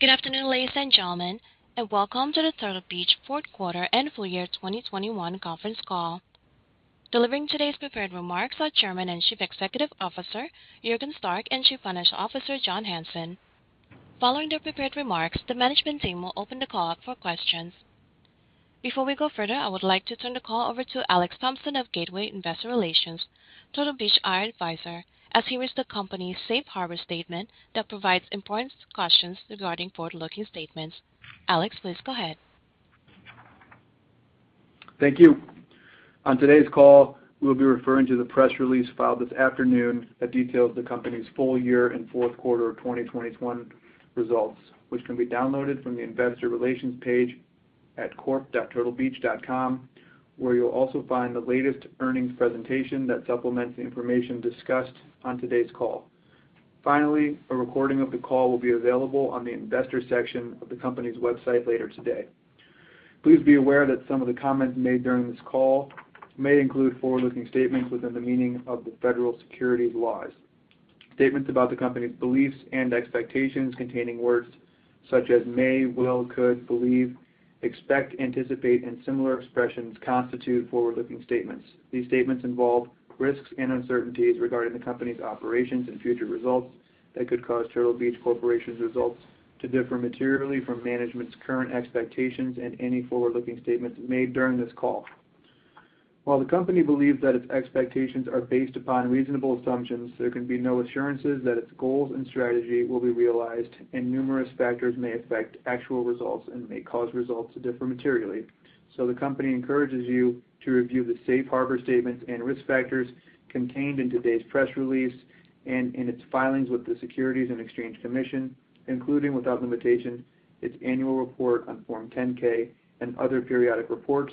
Good afternoon, ladies and gentlemen, and welcome to the Turtle Beach Fourth Quarter and Full Year 2021 Conference Call. Delivering today's prepared remarks are Chairman and Chief Executive Officer, Juergen Stark, and Chief Financial Officer, John Hanson. Following their prepared remarks, the management team will open the call up for questions. Before we go further, I would like to turn the call over to Alex Thompson of Gateway Investor Relations, Turtle Beach IR advisor, as he reads the company's safe harbor statement that provides important discussions regarding forward-looking statements. Alex, please go ahead. Thank you. On today's call, we'll be referring to the press release filed this afternoon that details the company's full year and fourth quarter of 2021 results, which can be downloaded from the investor relations page at corp.turtlebeach.com, where you'll also find the latest earnings presentation that supplements the information discussed on today's call. Finally, a recording of the call will be available on the investor section of the company's website later today. Please be aware that some of the comments made during this call may include forward-looking statements within the meaning of the federal securities laws. Statements about the company's beliefs and expectations containing words such as may, will, could, believe, expect, anticipate, and similar expressions constitute forward-looking statements. These statements involve risks and uncertainties regarding the company's operations and future results that could cause Turtle Beach Corporation's results to differ materially from management's current expectations and any forward-looking statements made during this call. While the company believes that its expectations are based upon reasonable assumptions, there can be no assurances that its goals and strategy will be realized, and numerous factors may affect actual results and may cause results to differ materially. The company encourages you to review the safe harbor statements and risk factors contained in today's press release and in its filings with the Securities and Exchange Commission, including, without limitation, its annual report on Form 10-K and other periodic reports,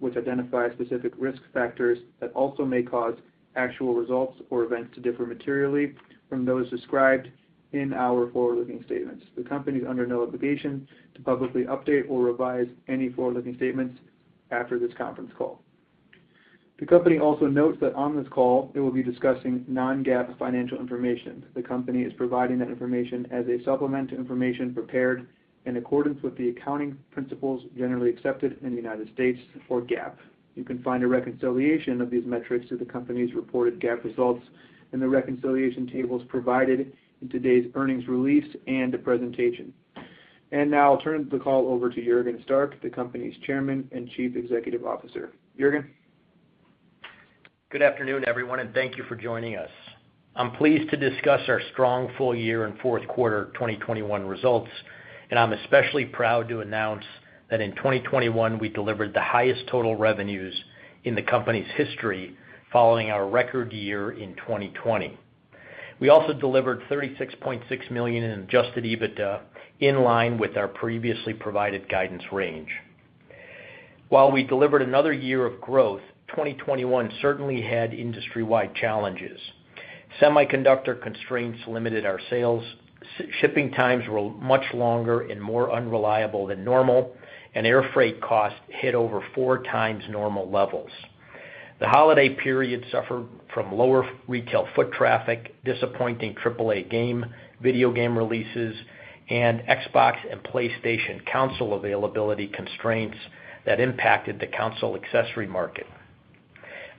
which identify specific risk factors that also may cause actual results or events to differ materially from those described in our forward-looking statements. The company is under no obligation to publicly update or revise any forward-looking statements after this conference call. The company also notes that on this call it will be discussing non-GAAP financial information. The company is providing that information as a supplement to information prepared in accordance with the accounting principles generally accepted in the United States or GAAP. You can find a reconciliation of these metrics to the company's reported GAAP results in the reconciliation tables provided in today's earnings release and the presentation. Now I'll turn the call over to Juergen Stark, the company's Chairman and Chief Executive Officer. Juergen. Good afternoon, everyone, and thank you for joining us. I'm pleased to discuss our strong full year and fourth quarter 2021 results, and I'm especially proud to announce that in 2021 we delivered the highest total revenues in the company's history following our record year in 2020. We also delivered $36.6 million in adjusted EBITDA, in line with our previously provided guidance range. While we delivered another year of growth, 2021 certainly had industry-wide challenges. Semiconductor constraints limited our sales. Shipping times were much longer and more unreliable than normal, and air freight costs hit over four times normal levels. The holiday period suffered from lower retail foot traffic, disappointing AAA game video game releases, and Xbox and PlayStation console availability constraints that impacted the console accessory market.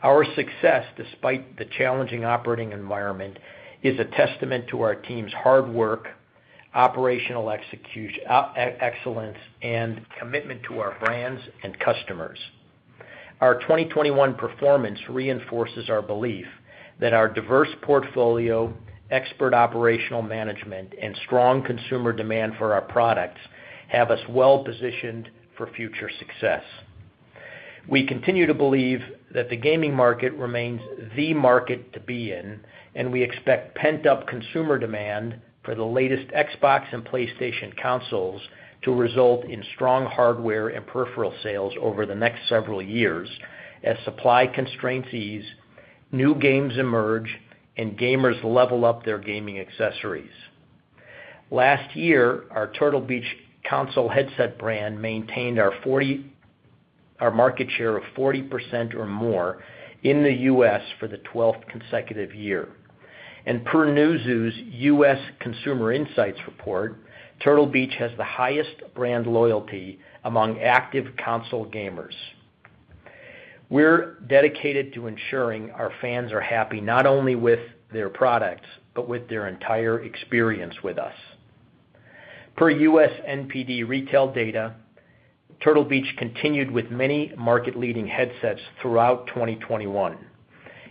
Our success, despite the challenging operating environment, is a testament to our team's hard work, operational excellence, and commitment to our brands and customers. Our 2021 performance reinforces our belief that our diverse portfolio, expert operational management, and strong consumer demand for our products have us well positioned for future success. We continue to believe that the gaming market remains the market to be in, and we expect pent-up consumer demand for the latest Xbox and PlayStation consoles to result in strong hardware and peripheral sales over the next several years as supply constraints ease, new games emerge, and gamers level up their gaming accessories. Last year, our Turtle Beach console headset brand maintained our market share of 40% or more in the U.S. for the 12th consecutive year. Per Newzoo's US Consumer Insights Report, Turtle Beach has the highest brand loyalty among active console gamers. We're dedicated to ensuring our fans are happy not only with their products, but with their entire experience with us. Per U.S. NPD retail data, Turtle Beach continued with many market-leading headsets throughout 2021.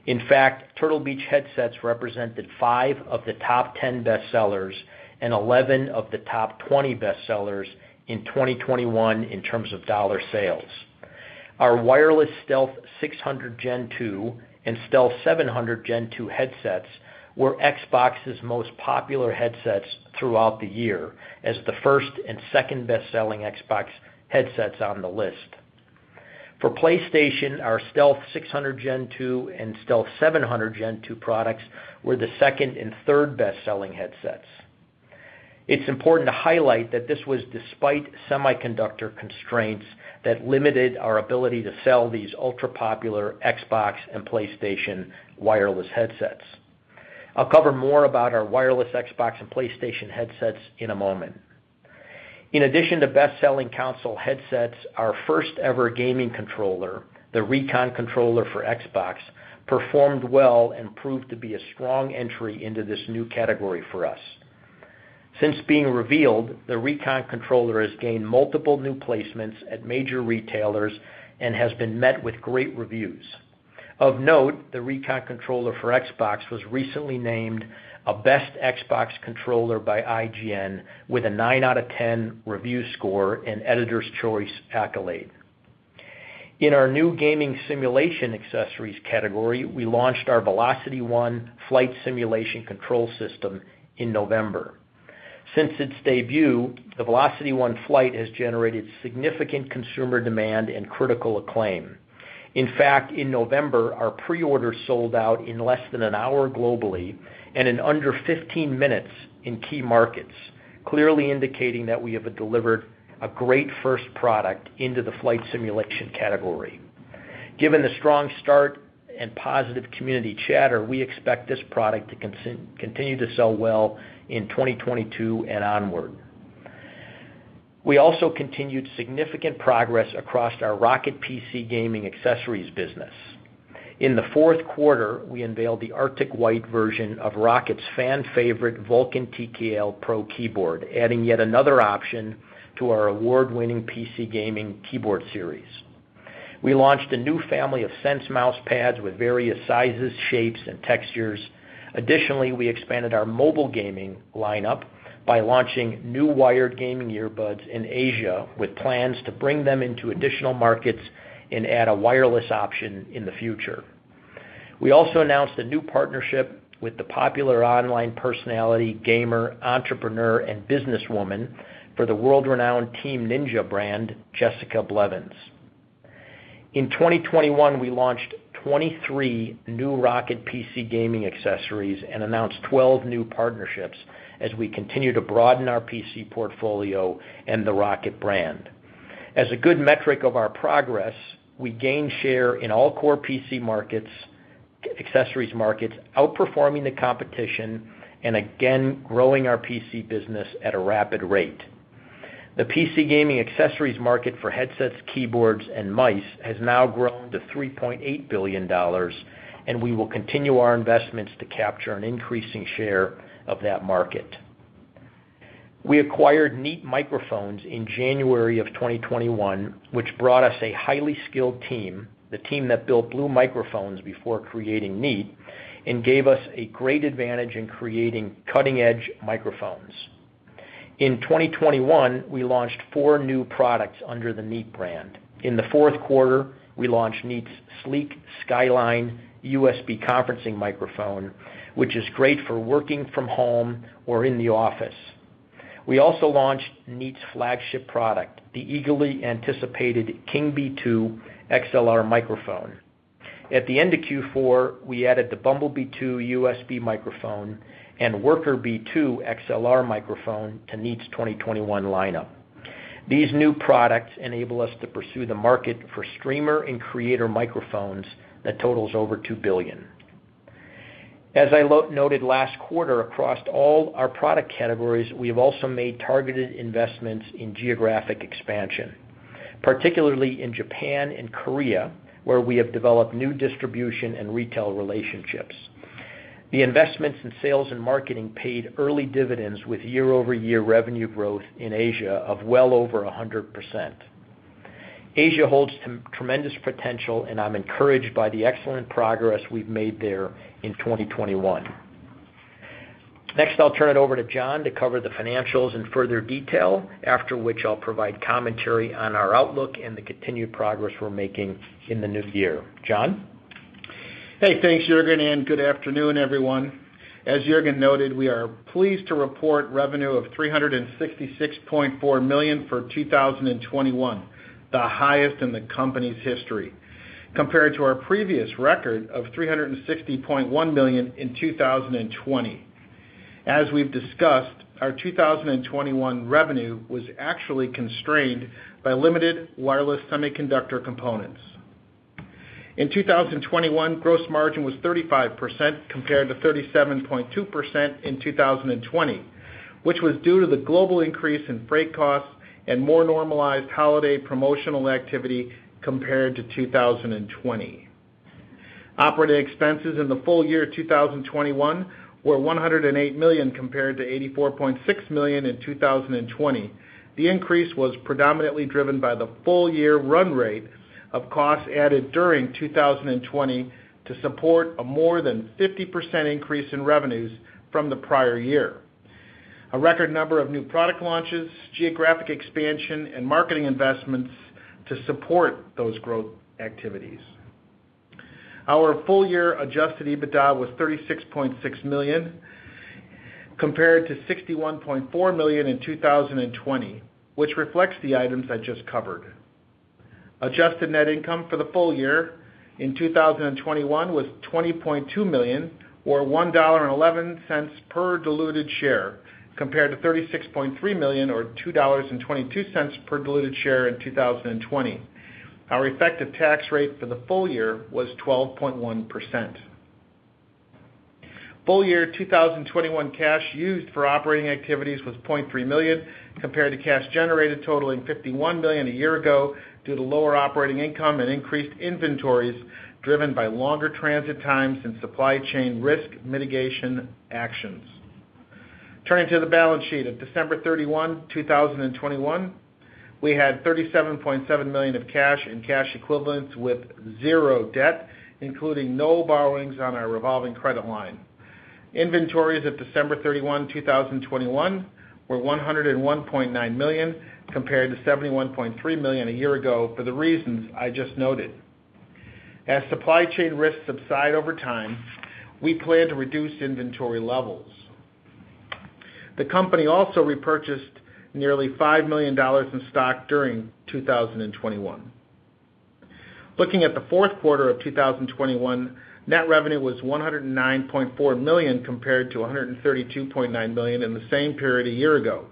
In fact, Turtle Beach headsets represented five of the top 10 bestsellers and 11 of the top 20 bestsellers in 2021 in terms of dollar sales. Our wireless Stealth 600 Gen 2 and Stealth 700 Gen 2 headsets were Xbox's most popular headsets throughout the year as the first and second best-selling Xbox headsets on the list. For PlayStation, our Stealth 600 Gen 2 and Stealth 700 Gen 2 products were the second and third best-selling headsets. It's important to highlight that this was despite semiconductor constraints that limited our ability to sell these ultra-popular Xbox and PlayStation wireless headsets. I'll cover more about our wireless Xbox and PlayStation headsets in a moment. In addition to best-selling console headsets, our first-ever gaming controller, the Recon Controller for Xbox, performed well and proved to be a strong entry into this new category for us. Since being revealed, the Recon Controller has gained multiple new placements at major retailers and has been met with great reviews. Of note, the Recon Controller for Xbox was recently named a best Xbox controller by IGN with a nine out of ten review score and Editor's Choice accolade. In our new gaming simulation accessories category, we launched our VelocityOne flight simulation control system in November. Since its debut, the VelocityOne Flight has generated significant consumer demand and critical acclaim. In fact, in November, our pre-orders sold out in less than an hour globally and in under 15 minutes in key markets, clearly indicating that we have delivered a great first product into the flight simulation category. Given the strong start and positive community chatter, we expect this product to continue to sell well in 2022 and onward. We also continued significant progress across our ROCCAT PC gaming accessories business. In the fourth quarter, we unveiled the Arctic White version of ROCCAT's fan-favorite Vulcan TKL Pro keyboard, adding yet another option to our award-winning PC gaming keyboard series. We launched a new family of Sense mouse pads with various sizes, shapes, and textures. Additionally, we expanded our mobile gaming lineup by launching new wired gaming earbuds in Asia, with plans to bring them into additional markets and add a wireless option in the future. We also announced a new partnership with the popular online personality, gamer, entrepreneur, and businesswoman for the world-renowned Team Ninja brand, Jessica Blevins. In 2021, we launched 23 new ROCCAT PC gaming accessories and announced 12 new partnerships as we continue to broaden our PC portfolio and the ROCCAT brand. As a good metric of our progress, we gained share in all core PC markets, accessories markets, outperforming the competition and again, growing our PC business at a rapid rate. The PC gaming accessories market for headsets, keyboards, and mice has now grown to $3.8 billion, and we will continue our investments to capture an increasing share of that market. We acquired Neat Microphones in January 2021, which brought us a highly skilled team, the team that built Blue Microphones before creating Neat, and gave us a great advantage in creating cutting-edge microphones. In 2021, we launched four new products under the Neat brand. In the fourth quarter, we launched Neat's sleek Skyline USB conferencing microphone, which is great for working from home or in the office. We also launched Neat's flagship product, the eagerly anticipated King Bee II XLR microphone. At the end of Q4, we added the Bumblebee II USB microphone and Worker Bee II XLR microphone to Neat's 2021 lineup. These new products enable us to pursue the market for streamer and creator microphones that totals over $2 billion. As I noted last quarter, across all our product categories, we have also made targeted investments in geographic expansion, particularly in Japan and Korea, where we have developed new distribution and retail relationships. The investments in sales and marketing paid early dividends with year-over-year revenue growth in Asia of well over 100%. Asia holds some tremendous potential, and I'm encouraged by the excellent progress we've made there in 2021. Next, I'll turn it over to John to cover the financials in further detail, after which I'll provide commentary on our outlook and the continued progress we're making in the new year. John? Hey, thanks, Juergen, and good afternoon, everyone. As Juergen noted, we are pleased to report revenue of $366.4 million for 2021, the highest in the company's history, compared to our previous record of $360.1 million in 2020. As we've discussed, our 2021 revenue was actually constrained by limited wireless semiconductor components. In 2021, gross margin was 35%, compared to 37.2% in 2020, which was due to the global increase in freight costs and more normalized holiday promotional activity compared to 2020. Operating expenses in the full year 2021 were $108 million, compared to $84.6 million in 2020. The increase was predominantly driven by the full-year run rate of costs added during 2020 to support a more than 50% increase in revenues from the prior year, a record number of new product launches, geographic expansion, and marketing investments to support those growth activities. Our full-year Adjusted EBITDA was $36.6 million, compared to $61.4 million in 2020, which reflects the items I just covered. Adjusted net income for the full year in 2021 was $20.2 million, or $1.11 per diluted share, compared to $36.3 million or $2.22 per diluted share in 2020. Our effective tax rate for the full year was 12.1%. Full year 2021 cash used for operating activities was $0.3 million compared to cash generated totaling $51 million a year ago due to lower operating income and increased inventories driven by longer transit times and supply chain risk mitigation actions. Turning to the balance sheet. At December 31, 2021, we had $37.7 million of cash and cash equivalents with 0 debt, including no borrowings on our revolving credit line. Inventories at December 31, 2021, were $101.9 million compared to $71.3 million a year ago for the reasons I just noted. As supply chain risks subside over time, we plan to reduce inventory levels. The company also repurchased nearly $5 million in stock during 2021. Looking at the fourth quarter of 2021, net revenue was $109.4 million compared to $132.9 million in the same period a year ago.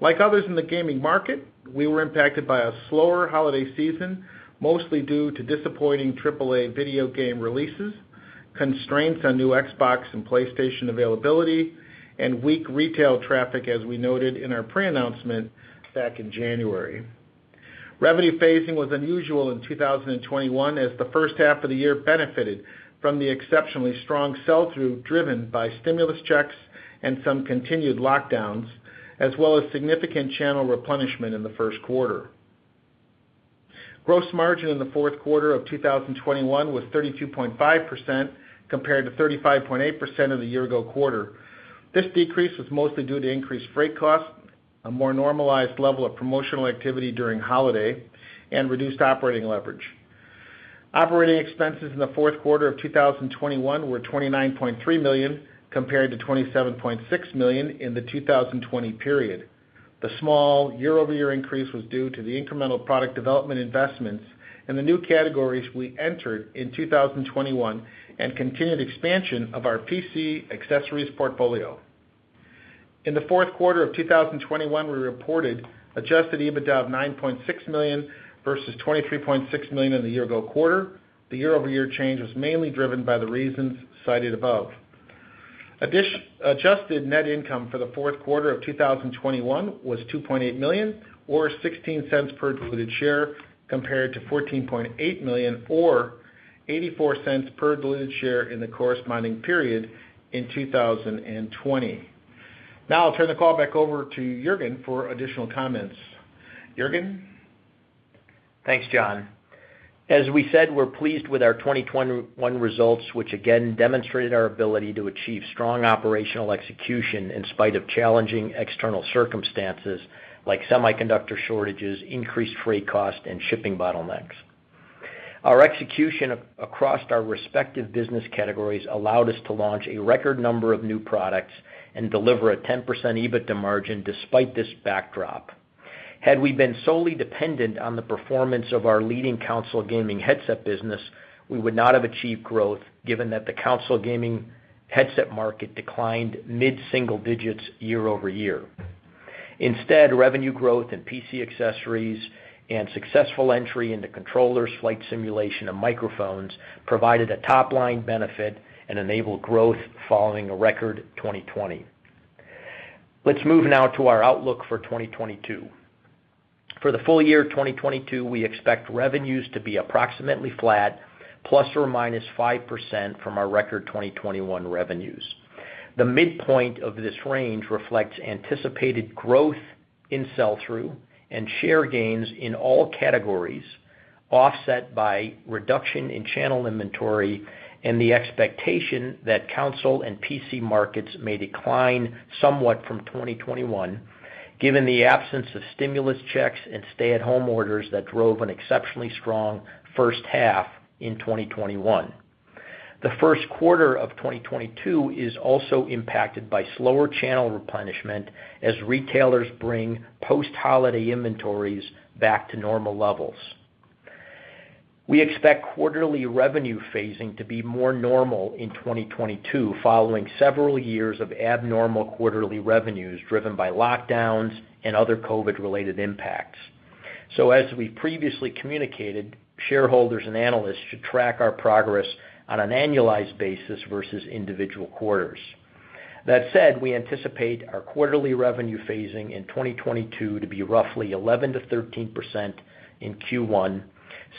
Like others in the gaming market, we were impacted by a slower holiday season, mostly due to disappointing AAA video game releases, constraints on new Xbox and PlayStation availability, and weak retail traffic, as we noted in our pre-announcement back in January. Revenue phasing was unusual in 2021 as the first half of the year benefited from the exceptionally strong sell-through driven by stimulus checks and some continued lockdowns, as well as significant channel replenishment in the first quarter. Gross margin in the fourth quarter of 2021 was 32.5% compared to 35.8% of the year ago quarter. This decrease was mostly due to increased freight costs, a more normalized level of promotional activity during holiday, and reduced operating leverage. Operating expenses in the fourth quarter of 2021 were $29.3 million compared to $27.6 million in the 2020 period. The small year-over-year increase was due to the incremental product development investments in the new categories we entered in 2021 and continued expansion of our PC accessories portfolio. In the fourth quarter of 2021, we reported adjusted EBITDA of $9.6 million versus $23.6 million in the year ago quarter. The year-over-year change was mainly driven by the reasons cited above. Adjusted net income for the fourth quarter of 2021 was $2.8 million or $0.16 per diluted share, compared to $14.8 million or $0.84 per diluted share in the corresponding period in 2020. Now I'll turn the call back over to Juergen for additional comments. Juergen? Thanks, John. As we said, we're pleased with our 2021 results, which again demonstrated our ability to achieve strong operational execution in spite of challenging external circumstances like semiconductor shortages, increased freight cost, and shipping bottlenecks. Our execution across our respective business categories allowed us to launch a record number of new products and deliver a 10% EBITDA margin despite this backdrop. Had we been solely dependent on the performance of our leading console gaming headset business, we would not have achieved growth given that the console gaming headset market declined mid-single digits year over year. Instead, revenue growth in PC accessories and successful entry into controllers, flight simulation, and microphones provided a top-line benefit and enabled growth following a record 2020. Let's move now to our outlook for 2022. For the full year 2022, we expect revenues to be approximately flat ±5% from our record 2021 revenues. The midpoint of this range reflects anticipated growth in sell-through and share gains in all categories, offset by reduction in channel inventory and the expectation that console and PC markets may decline somewhat from 2021, given the absence of stimulus checks and stay-at-home orders that drove an exceptionally strong first half in 2021. The first quarter of 2022 is also impacted by slower channel replenishment as retailers bring post-holiday inventories back to normal levels. We expect quarterly revenue phasing to be more normal in 2022 following several years of abnormal quarterly revenues driven by lockdowns and other COVID-related impacts. As we previously communicated, shareholders and analysts should track our progress on an annualized basis versus individual quarters. That said, we anticipate our quarterly revenue phasing in 2022 to be roughly 11%-13% in Q1,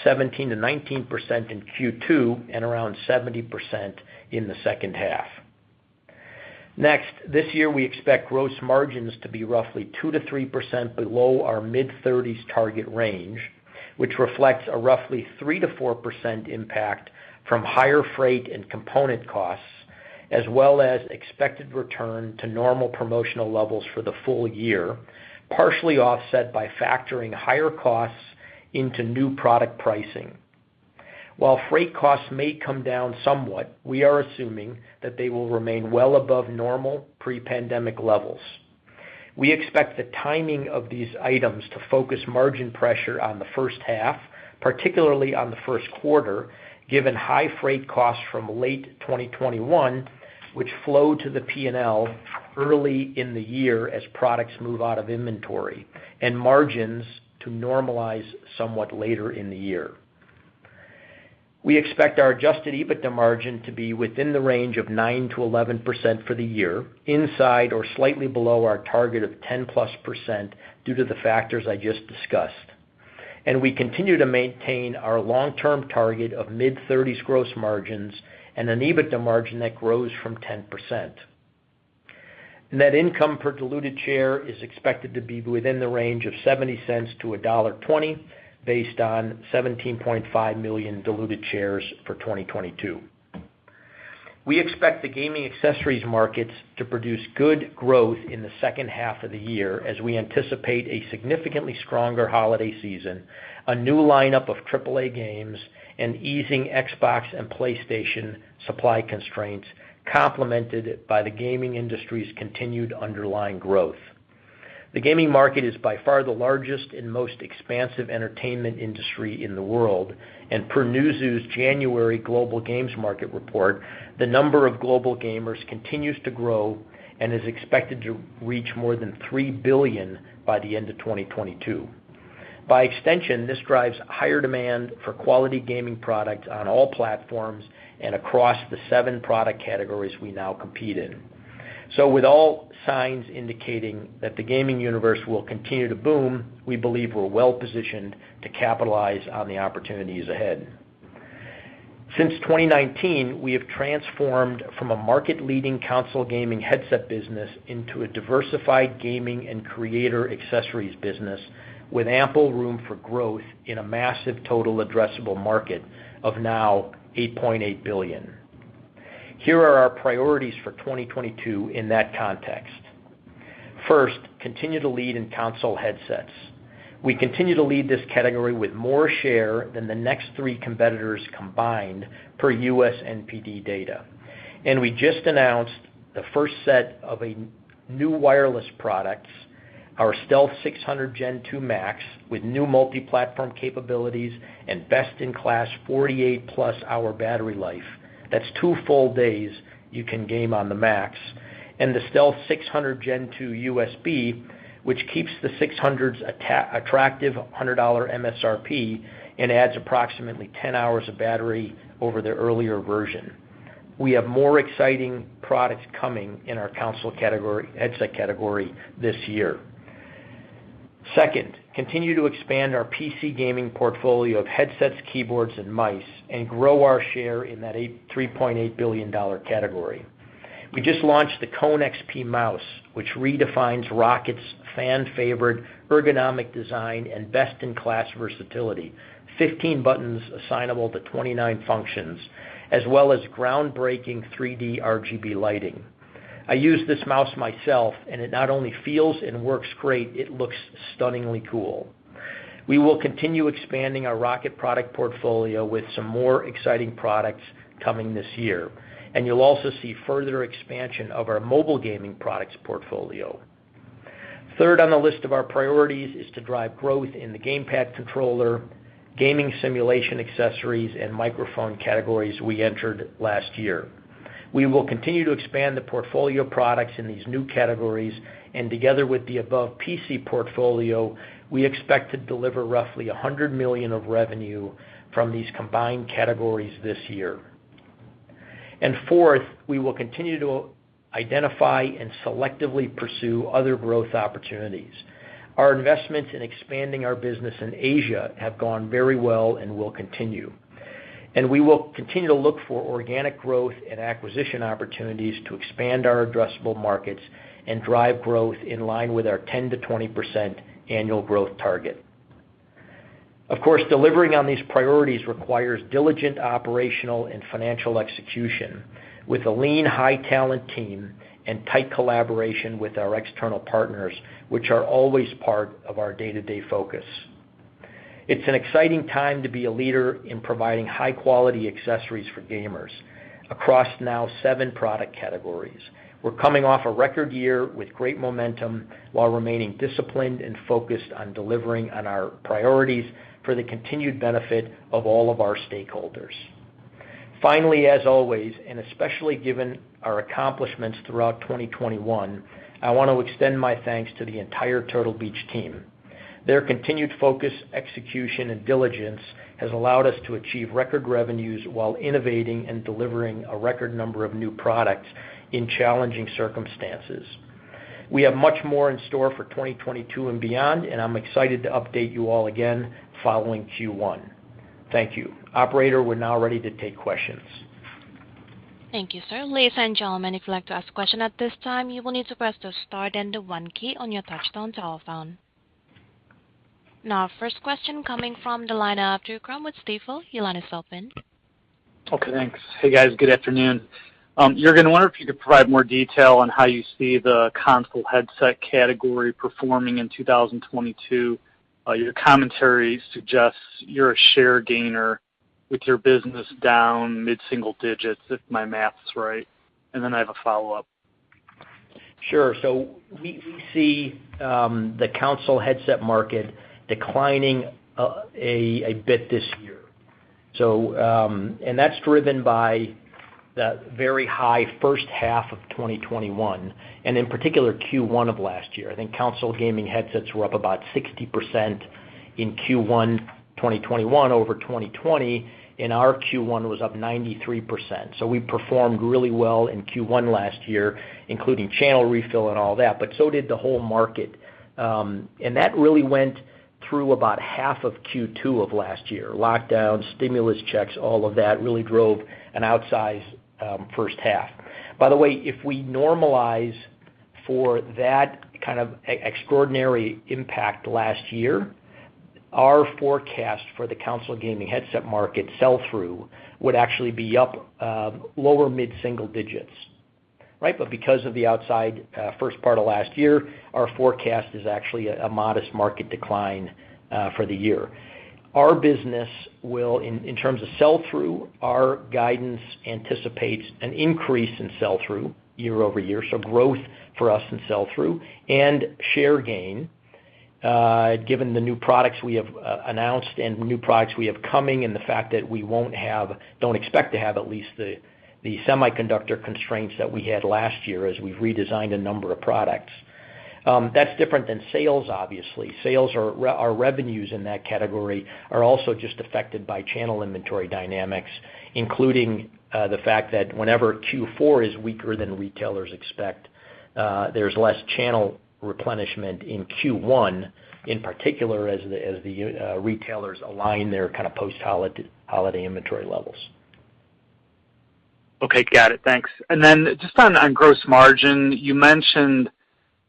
17%-19% in Q2, and around 70% in the second half. Next, this year we expect gross margins to be roughly 2%-3% below our mid-30s target range, which reflects a roughly 3%-4% impact from higher freight and component costs as well as expected return to normal promotional levels for the full year, partially offset by factoring higher costs into new product pricing. While freight costs may come down somewhat, we are assuming that they will remain well above normal pre-pandemic levels. We expect the timing of these items to focus margin pressure on the first half, particularly on the first quarter, given high freight costs from late 2021, which flow to the P&L early in the year as products move out of inventory, and margins to normalize somewhat later in the year. We expect our adjusted EBITDA margin to be within the range of 9%-11% for the year, inside or slightly below our target of 10%+ due to the factors I just discussed. We continue to maintain our long-term target of mid-30s gross margins and an EBITDA margin that grows from 10%. Net income per diluted share is expected to be within the range of $0.70-$1.20 based on 17.5 million diluted shares for 2022. We expect the gaming accessories markets to produce good growth in the second half of the year as we anticipate a significantly stronger holiday season, a new lineup of AAA games, and easing Xbox and PlayStation supply constraints, complemented by the gaming industry's continued underlying growth. The gaming market is by far the largest and most expansive entertainment industry in the world, and per Newzoo's January Global Games Market report, the number of global gamers continues to grow and is expected to reach more than three billion by the end of 2022. By extension, this drives higher demand for quality gaming products on all platforms and across the seven product categories we now compete in. With all signs indicating that the gaming universe will continue to boom, we believe we're well-positioned to capitalize on the opportunities ahead. Since 2019, we have transformed from a market-leading console gaming headset business into a diversified gaming and creator accessories business with ample room for growth in a massive total addressable market of now $8.8 billion. Here are our priorities for 2022 in that context. First, continue to lead in console headsets. We continue to lead this category with more share than the next three competitors combined, per U.S. NPD data. We just announced the first set of new wireless products, our Stealth 600 Gen 2 MAX, with new multi-platform capabilities and best-in-class 48+ hour battery life. That's two full days you can game on the Max. The Stealth 600 Gen 2 USB, which keeps the 600's attractive $100 MSRP and adds approximately 10 hours of battery over their earlier version. We have more exciting products coming in our console category, headset category this year. Second, continue to expand our PC gaming portfolio of headsets, keyboards, and mice, and grow our share in that $3.8 billion category. We just launched the Kone XP mouse, which redefines ROCCAT's fan-favorite ergonomic design and best-in-class versatility, 15 buttons assignable to 29 functions, as well as groundbreaking 3D RGB lighting. I use this mouse myself, and it not only feels and works great, it looks stunningly cool. We will continue expanding our ROCCAT product portfolio with some more exciting products coming this year, and you'll also see further expansion of our mobile gaming products portfolio. Third on the list of our priorities is to drive growth in the gamepad controller, gaming simulation accessories, and microphone categories we entered last year. We will continue to expand the portfolio of products in these new categories, and together with the above PC portfolio, we expect to deliver roughly $100 million of revenue from these combined categories this year. Fourth, we will continue to identify and selectively pursue other growth opportunities. Our investments in expanding our business in Asia have gone very well and will continue. We will continue to look for organic growth and acquisition opportunities to expand our addressable markets and drive growth in line with our 10%-20% annual growth target. Of course, delivering on these priorities requires diligent operational and financial execution with a lean, high-talent team and tight collaboration with our external partners, which are always part of our day-to-day focus. It's an exciting time to be a leader in providing high-quality accessories for gamers across now seven product categories. We're coming off a record year with great momentum while remaining disciplined and focused on delivering on our priorities for the continued benefit of all of our stakeholders. Finally, as always, and especially given our accomplishments throughout 2021, I want to extend my thanks to the entire Turtle Beach team. Their continued focus, execution, and diligence has allowed us to achieve record revenues while innovating and delivering a record number of new products in challenging circumstances. We have much more in store for 2022 and beyond, and I'm excited to update you all again following Q1. Thank you. Operator, we're now ready to take questions. Thank you, sir. Ladies and gentlemen, if you'd like to ask a question at this time, you will need to press the star then the one key on your touchtone telephone. Now first question coming from the line of Drew Crum with Stifel. Your line is open. Okay, thanks. Hey, guys, good afternoon. Juergen, I wonder if you could provide more detail on how you see the console headset category performing in 2022. Your commentary suggests you're a share gainer with your business down mid-single digits, if my math's right, and then I have a follow-up. Sure. We see the console headset market declining a bit this year. That's driven by the very high first half of 2021, and in particular Q1 of last year. I think console gaming headsets were up about 60% in Q1, 2021 over 2020, and our Q1 was up 93%. We performed really well in Q1 last year, including channel refill and all that, but so did the whole market. That really went through about half of Q2 of last year. Lockdown, stimulus checks, all of that really drove an outsized first half. By the way, if we normalize for that kind of extraordinary impact last year, our forecast for the console gaming headset market sell-through would actually be up lower mid-single digits, right? Because of the outside first part of last year, our forecast is actually a modest market decline for the year. Our business, in terms of sell-through, our guidance anticipates an increase in sell-through year-over-year, so growth for us in sell-through and share gain, given the new products we have announced and new products we have coming, and the fact that we don't expect to have at least the semiconductor constraints that we had last year as we've redesigned a number of products. That's different than sales, obviously. Sales or revenues in that category are also just affected by channel inventory dynamics, including the fact that whenever Q4 is weaker than retailers expect, there's less channel replenishment in Q1, in particular as the retailers align their kind of post-holiday inventory levels. Okay. Got it. Thanks. Just on gross margin, you mentioned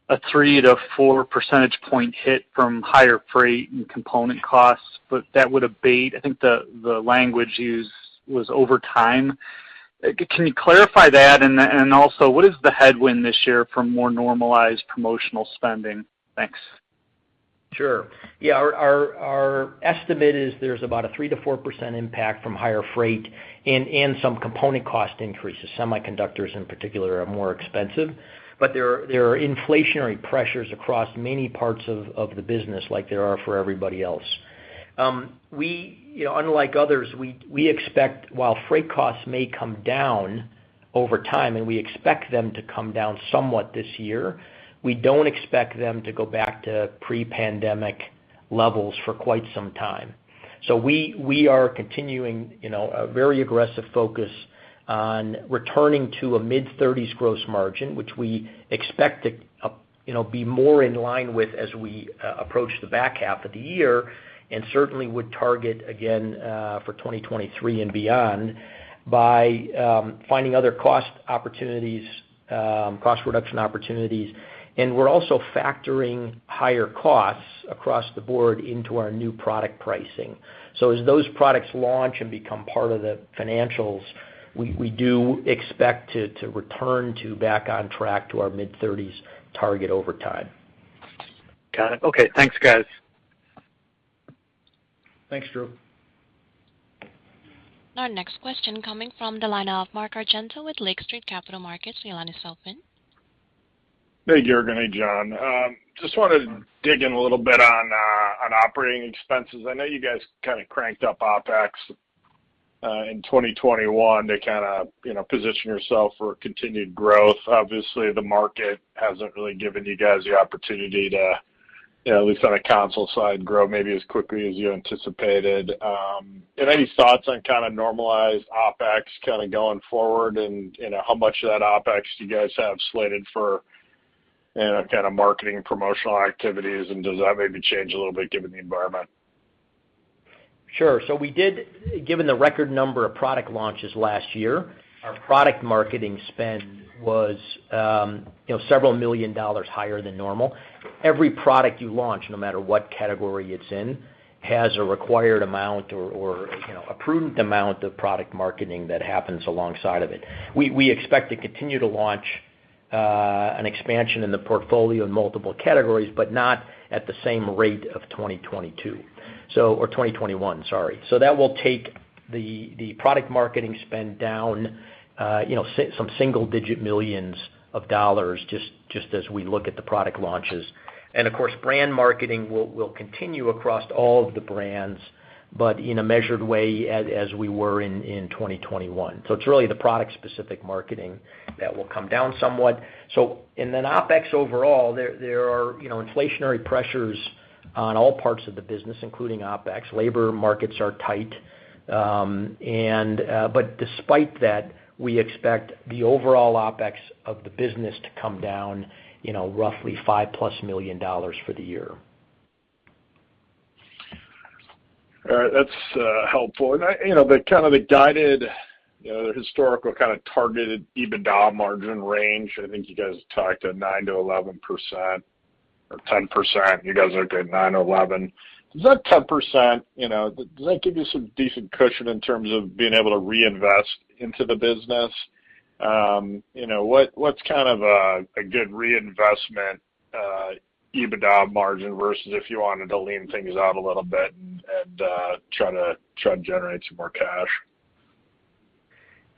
a 3-4 percentage point hit from higher freight and component costs, but that would abate. I think the language used was over time. Can you clarify that, and also, what is the headwind this year for more normalized promotional spending? Thanks. Sure. Yeah. Our estimate is there's about a 3%-4% impact from higher freight and some component cost increases. Semiconductors in particular are more expensive, but there are inflationary pressures across many parts of the business like there are for everybody else. We, you know, unlike others, we expect while freight costs may come down over time, and we expect them to come down somewhat this year, we don't expect them to go back to pre-pandemic levels for quite some time. We are continuing, you know, a very aggressive focus on returning to a mid-30s% gross margin, which we expect to, you know, be more in line with as we approach the back half of the year, and certainly would target again for 2023 and beyond by finding other cost opportunities, cost reduction opportunities. We're also factoring higher costs across the board into our new product pricing. As those products launch and become part of the financials, we do expect to return back on track to our mid-30s target over time. Got it. Okay. Thanks, guys. Thanks, Drew. Our next question coming from the line of Mark Argento with Lake Street Capital Markets. Your line is open. Hey, Juergen. Hey, John. Just wanted to dig in a little bit on operating expenses. I know you guys kind of cranked up OpEx in 2021 to kind of position yourself for continued growth. Obviously, the market hasn't really given you guys the opportunity to, you know, at least on a console side, grow maybe as quickly as you anticipated. Any thoughts on kind of normalized OpEx kind of going forward and, you know, how much of that OpEx do you guys have slated for, you know, kind of marketing and promotional activities, and does that maybe change a little bit given the environment? Given the record number of product launches last year, our product marketing spend was, you know, several million dollars higher than normal. Every product you launch, no matter what category it's in, has a required amount or, you know, a prudent amount of product marketing that happens alongside of it. We expect to continue to launch an expansion in the portfolio in multiple categories, but not at the same rate of 2022. Or 2021, sorry. That will take the product marketing spend down, you know, some single digit millions of dollars just as we look at the product launches. Of course, brand marketing will continue across all of the brands, but in a measured way as we were in 2021. It's really the product-specific marketing that will come down somewhat. OpEx overall, there are, you know, inflationary pressures on all parts of the business, including OpEx. Labor markets are tight. Despite that, we expect the overall OpEx of the business to come down, you know, roughly $5+ million for the year. All right. That's helpful. You know, the kind of guided, you know, the historical kind of targeted EBITDA margin range, I think you guys talked a 9%-11% or 10%. You guys are good 9%-11%. Does that 10%, you know, does that give you some decent cushion in terms of being able to reinvest into the business? You know, what's kind of a good reinvestment EBITDA margin versus if you wanted to lean things out a little bit and try to generate some more cash?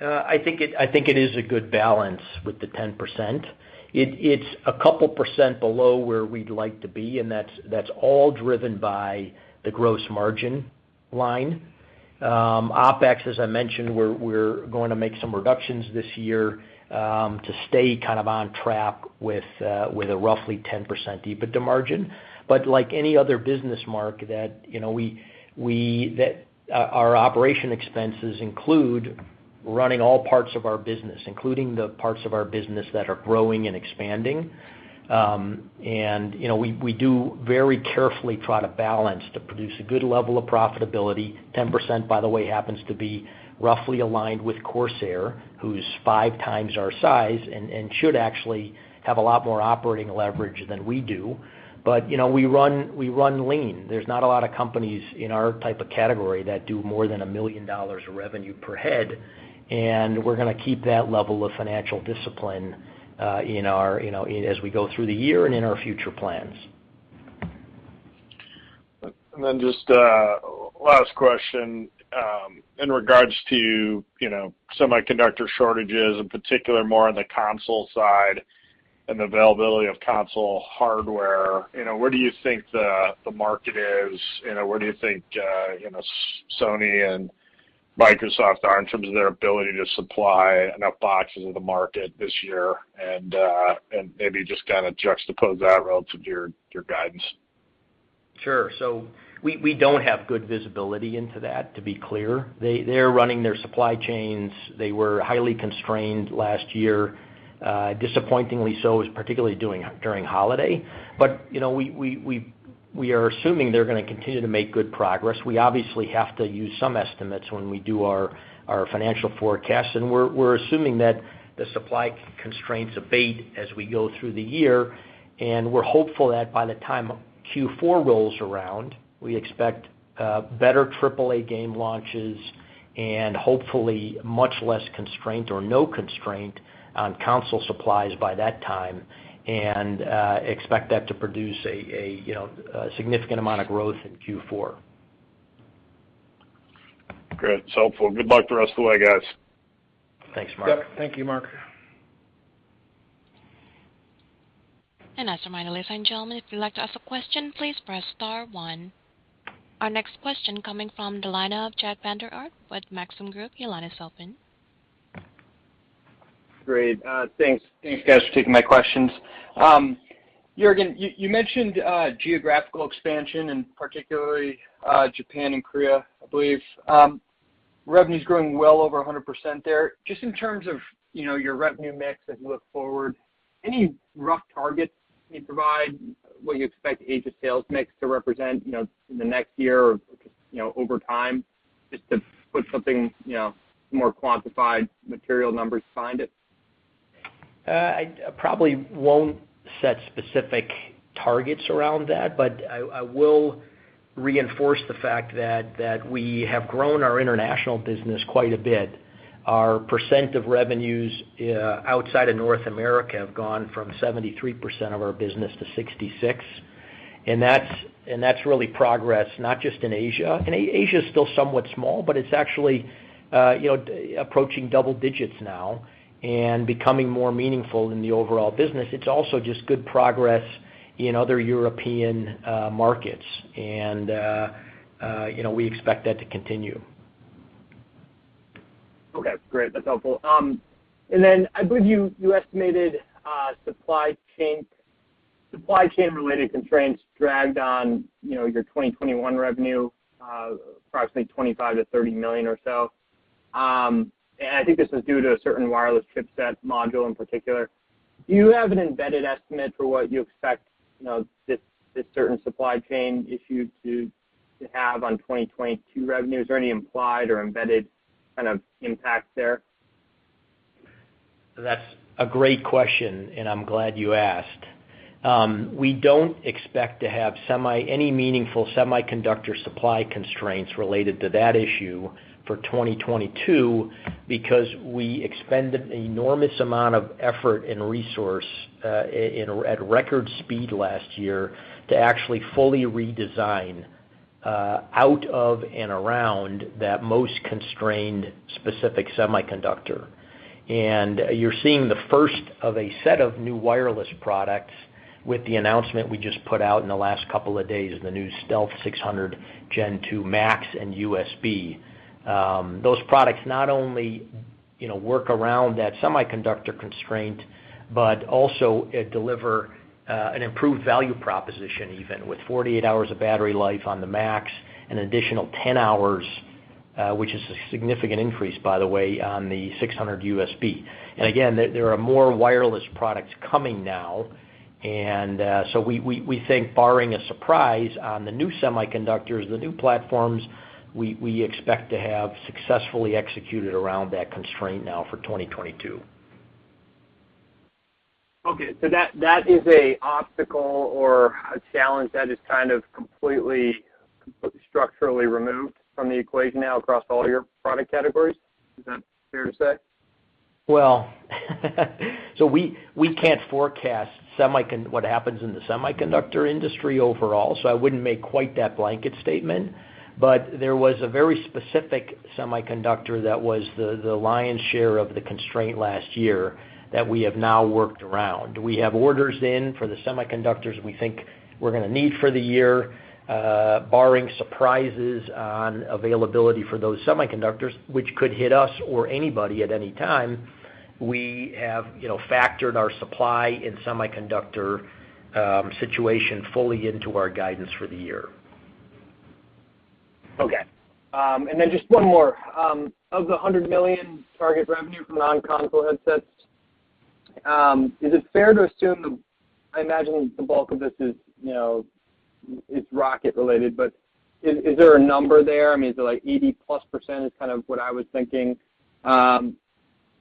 I think it is a good balance with the 10%. It's a couple percent below where we'd like to be, and that's all driven by the gross margin line. OpEx, as I mentioned, we're going to make some reductions this year to stay kind of on track with a roughly 10% EBITDA margin. Like any other business, Mark, you know, our operating expenses include running all parts of our business, including the parts of our business that are growing and expanding. You know, we do very carefully try to balance to produce a good level of profitability. 10%, by the way, happens to be roughly aligned with Corsair, who's five times our size and should actually have a lot more operating leverage than we do. You know, we run lean. There's not a lot of companies in our type of category that do more than $1 million of revenue per head, and we're gonna keep that level of financial discipline in our, you know, as we go through the year and in our future plans. Just a last question in regards to, you know, semiconductor shortages, in particular, more on the console side and availability of console hardware. You know, where do you think the market is? You know, where do you think, you know, Sony and Microsoft are in terms of their ability to supply enough boxes to the market this year? Maybe just kind of juxtapose that relative to your guidance. Sure. We don't have good visibility into that, to be clear. They're running their supply chains. They were highly constrained last year, disappointingly so, particularly during holiday. We are assuming they're going to continue to make good progress. We obviously have to use some estimates when we do our financial forecasts, and we're assuming that the supply constraints abate as we go through the year. We're hopeful that by the time Q4 rolls around, we expect better AAA game launches and hopefully much less constraint or no constraint on console supplies by that time, and expect that to produce a significant amount of growth in Q4. Great. It's helpful. Good luck the rest of the way, guys. Thanks, Mark. Yeah. Thank you, Mark. As a reminder, ladies and gentlemen, if you'd like to ask a question, please press star one. Our next question coming from the line of Jack Vander Aarde with Maxim Group. Your line is open. Great. Thanks, guys, for taking my questions. Juergen, you mentioned geographical expansion, and particularly Japan and Korea, I believe. Revenue's growing well over 100% there. Just in terms of, you know, your revenue mix as you look forward, any rough targets can you provide what you expect Asian sales mix to represent, you know, in the next year or, you know, over time, just to put something, you know, more quantified material numbers behind it? I probably won't set specific targets around that, but I will reinforce the fact that we have grown our international business quite a bit. Our percent of revenues outside of North America have gone from 73% of our business to 66%. That's really progress, not just in Asia. Asia is still somewhat small, but it's actually approaching double digits now and becoming more meaningful in the overall business. It's also just good progress in other European markets. We expect that to continue. Okay, great. That's helpful. I believe you estimated supply chain related constraints dragged on, you know, your 2021 revenue approximately $25 million-$30 million or so. I think this was due to a certain wireless chipset module in particular. Do you have an embedded estimate for what you expect, you know, this certain supply chain issue to have on 2022 revenues? Are there any implied or embedded kind of impact there? That's a great question, and I'm glad you asked. We don't expect to have any meaningful semiconductor supply constraints related to that issue for 2022, because we expended enormous amount of effort and resource in at record speed last year to actually fully redesign out of and around that most constrained specific semiconductor. You're seeing the first of a set of new wireless products with the announcement we just put out in the last couple of days, the new Stealth 600 Gen 2 MAX and USB. Those products not only, you know, work around that semiconductor constraint, but also deliver an improved value proposition, even with 48 hours of battery life on the Max, an additional 10 hours, which is a significant increase, by the way, on the 600 USB. Again, there are more wireless products coming now. So we think barring a surprise on the new semiconductors, the new platforms, we expect to have successfully executed around that constraint now for 2022. Okay. That is an obstacle or a challenge that is kind of completely structurally removed from the equation now across all your product categories. Is that fair to say? We can't forecast what happens in the semiconductor industry overall, so I wouldn't make quite that blanket statement. There was a very specific semiconductor that was the lion's share of the constraint last year that we have now worked around. We have orders in for the semiconductors we think we're gonna need for the year, barring surprises on availability for those semiconductors, which could hit us or anybody at any time. We have, you know, factored our supply chain semiconductor situation fully into our guidance for the year. Okay. Just one more. Of the $100 million target revenue from non-console headsets, is it fair to assume. I imagine the bulk of this is, you know, it's ROCCAT related, but is there a number there? I mean, is it like 80%+ is kind of what I was thinking.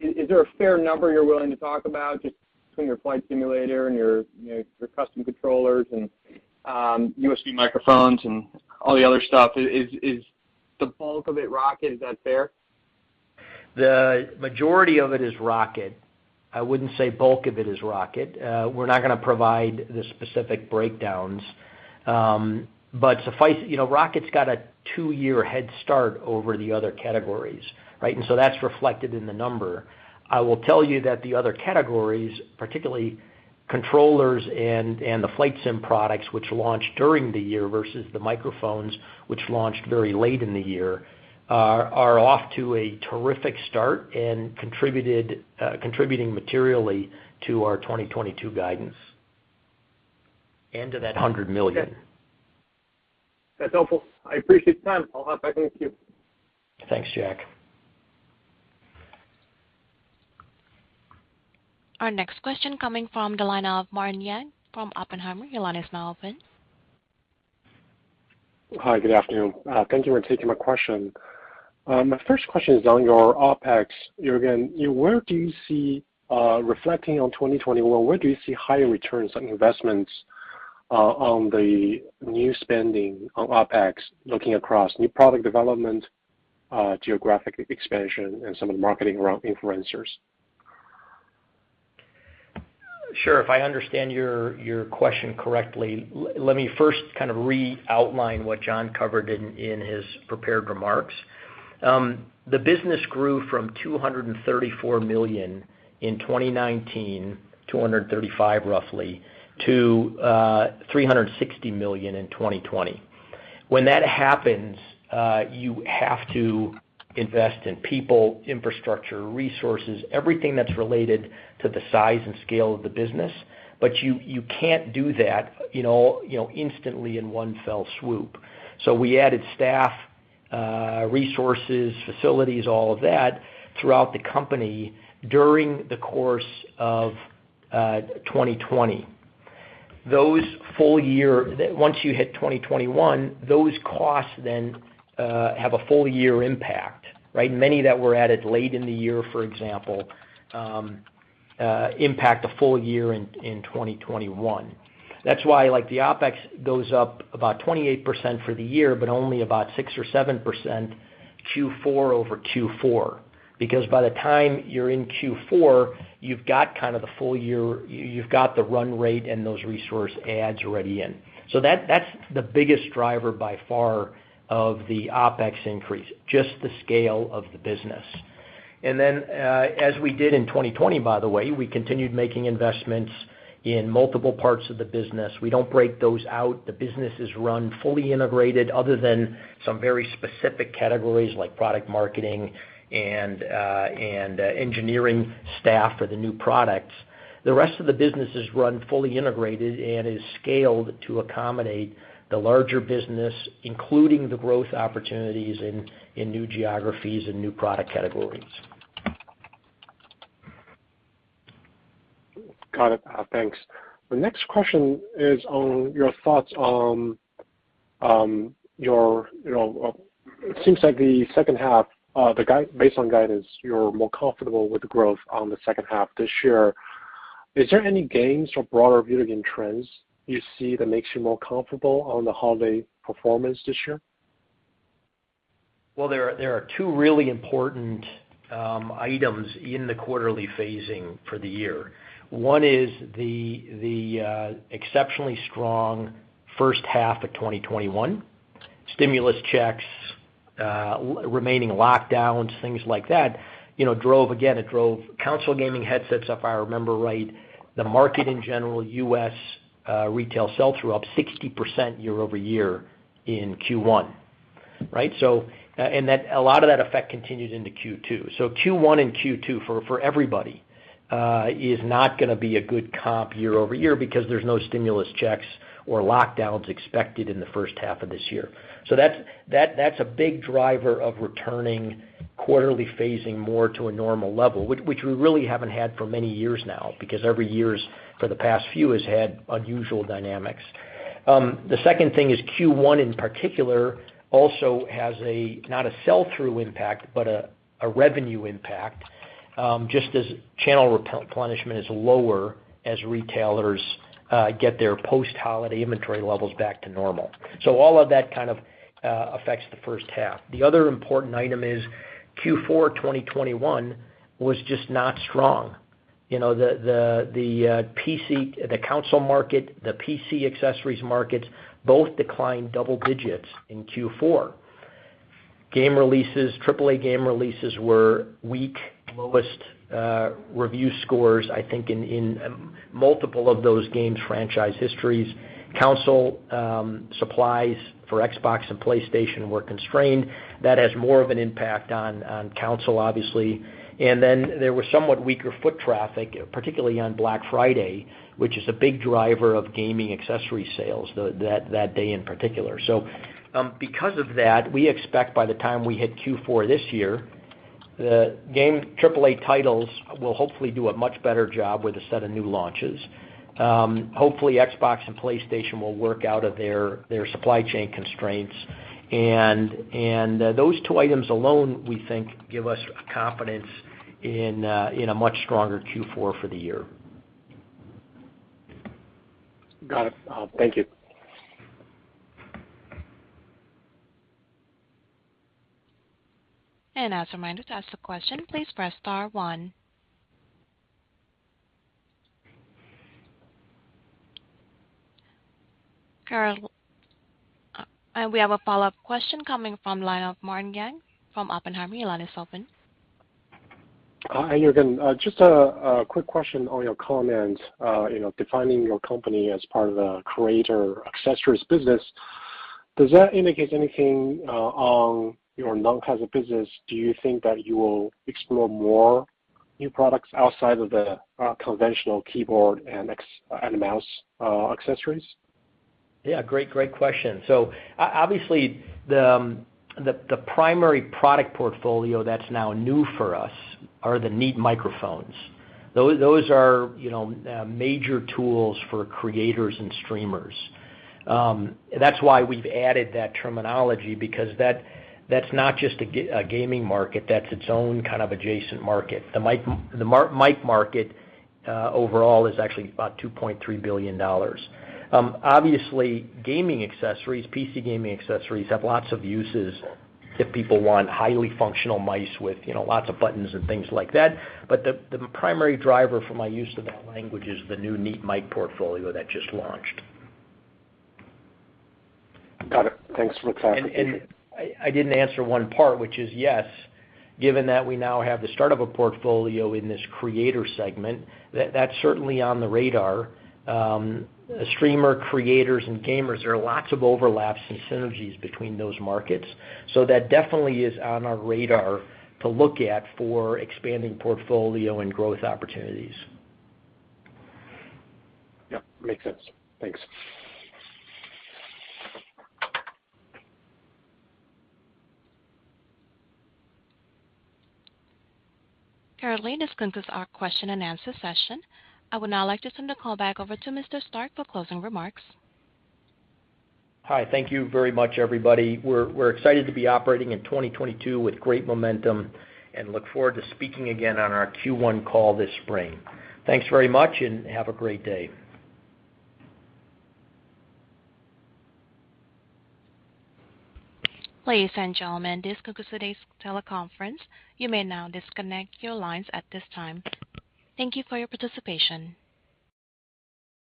Is there a fair number you're willing to talk about just between your flight simulator and your, you know, your custom controllers and USB microphones and all the other stuff? Is the bulk of it ROCCAT? Is that fair? The majority of it is ROCCAT. I wouldn't say bulk of it is ROCCAT. We're not gonna provide the specific breakdowns. You know, ROCCAT's got a two-year head start over the other categories, right? That's reflected in the number. I will tell you that the other categories, particularly controllers and the flight sim products which launched during the year versus the microphones which launched very late in the year, are off to a terrific start and contributing materially to our 2022 guidance and to that $100 million. That's helpful. I appreciate the time. I'll hop back in with you. Thanks, Jack. Our next question coming from the line of Martin Yang from Oppenheimer. Your line is now open. Hi, good afternoon. Thank you for taking my question. My first question is on your OpEx, Juergen. Where do you see, reflecting on 2021, higher returns on investments on the new spending on OpEx, looking across new product development, geographic expansion and some of the marketing around influencers? Sure. If I understand your question correctly, let me first kind of re-outline what John covered in his prepared remarks. The business grew from $234 million in 2019 to $360 million in 2020. When that happens, you have to invest in people, infrastructure, resources, everything that's related to the size and scale of the business, but you can't do that, you know, instantly in one fell swoop. We added staff, resources, facilities, all of that throughout the company during the course of 2020. Those full year costs then, once you hit 2021, have a full year impact, right? Many that were added late in the year, for example, impact a full year in 2021. That's why like the OpEx goes up about 28% for the year, but only about 6% or 7% Q4-over-Q4. Because by the time you're in Q4, you've got kind of the full year, you've got the run rate and those resource ads already in. That's the biggest driver by far of the OpEx increase, just the scale of the business. As we did in 2020, by the way, we continued making investments in multiple parts of the business. We don't break those out. The business is run fully integrated other than some very specific categories like product marketing and engineering staff for the new products. The rest of the business is run fully integrated and is scaled to accommodate the larger business, including the growth opportunities in new geographies and new product categories. Got it. Thanks. The next question is on your thoughts on your, you know, it seems like the second half, based on guidance, you're more comfortable with the growth on the second half this year. Is there any gains or broader macro trends you see that makes you more comfortable on the holiday performance this year? Well, there are two really important items in the quarterly phasing for the year. One is the exceptionally strong first half of 2021. Stimulus checks, remaining lockdowns, things like that, you know, drove console gaming headsets, if I remember right, the market in general, U.S. retail sell-through up 60% year-over-year in Q1. Right? A lot of that effect continues into Q2. Q1 and Q2 for everybody is not gonna be a good comp year-over-year because there's no stimulus checks or lockdowns expected in the first half of this year. That's a big driver of returning quarterly phasing more to a normal level, which we really haven't had for many years now, because every year for the past few has had unusual dynamics. The second thing is Q1, in particular, also has a not a sell-through impact, but a revenue impact, just as channel replenishment is lower as retailers get their post-holiday inventory levels back to normal. All of that kind of affects the first half. The other important item is Q4 2021 was just not strong. You know, the PC, the console market, the PC accessories markets both declined double digits in Q4. Game releases, AAA game releases were weak, lowest review scores, I think, in multiple of those games franchise histories. Console supplies for Xbox and PlayStation were constrained. That has more of an impact on console, obviously. Then there was somewhat weaker foot traffic, particularly on Black Friday, which is a big driver of gaming accessory sales, that day in particular. Because of that, we expect by the time we hit Q4 this year, the game AAA titles will hopefully do a much better job with a set of new launches. Hopefully, Xbox and PlayStation will work out of their supply chain constraints. Those two items alone, we think, give us confidence in a much stronger Q4 for the year. Got it. Thank you. As a reminder, to ask a question, please press star one. Currently, we have a follow-up question coming from the line of Martin Yang from Oppenheimer. Your line is open. Hi, Juergen. Just a quick question on your comment, you know, defining your company as part of the creator accessories business. Does that indicate anything on your non-headset business? Do you think that you will explore more new products outside of the conventional keyboard and mouse accessories? Yeah. Great question. Obviously, the primary product portfolio that's now new for us are the Neat microphones. Those are, you know, major tools for creators and streamers. That's why we've added that terminology because that's not just a gaming market, that's its own kind of adjacent market. The mic market overall is actually about $2.3 billion. Obviously, gaming accessories, PC gaming accessories have lots of uses if people want highly functional mice with, you know, lots of buttons and things like that. But the primary driver for my use of that language is the new Neat mic portfolio that just launched. Got it. Thanks for the clarification. I didn't answer one part, which is yes, given that we now have the start of a portfolio in this creator segment, that's certainly on the radar. Streamer creators and gamers, there are lots of overlaps and synergies between those markets. That definitely is on our radar to look at for expanding portfolio and growth opportunities. Yeah, makes sense. Thanks. Currently, this concludes our question and answer session. I would now like to send the call back over to Mr. Stark for closing remarks. Hi. Thank you very much, everybody. We're excited to be operating in 2022 with great momentum and look forward to speaking again on our Q1 call this spring. Thanks very much and have a great day. Ladies and gentlemen, this concludes today's teleconference. You may now disconnect your lines at this time. Thank you for your participation.